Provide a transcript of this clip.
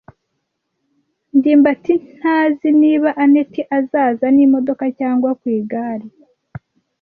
ndimbati ntazi niba anet azaza n'imodoka cyangwa ku igare.